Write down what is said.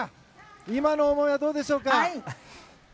今の思いはどうでしょうか。